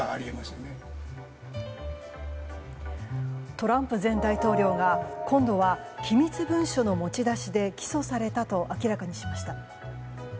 トランプ前大統領が今度は機密文書の持ち出しで起訴されたと明らかにしました。